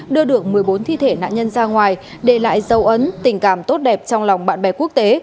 đưa được một mươi bốn thi thể nạn nhân ra ngoài để lại dấu ấn tình cảm tốt đẹp trong lòng bạn bè quốc tế